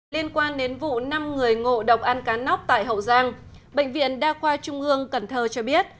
liên quan đến vụ năm người ngộ độc ăn cá nóc tại hậu giang bệnh viện đa khoa trung ương cần thơ cho biết